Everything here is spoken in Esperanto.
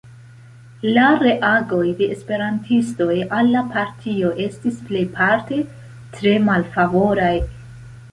La reagoj de esperantistoj al la partio estis plejparte tre malfavoraj.